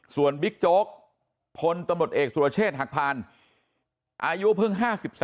ส่วนบิ๊กโจ๊กพลตำรวจเอกสุรเชษฐ์หักพานอายุเพิ่ง๕๓